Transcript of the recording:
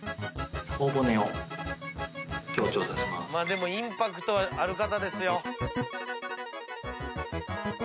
でもインパクトはある方ですよ。